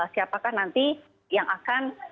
siapakah nanti yang akan